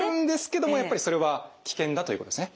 やっぱりそれは危険だということですね。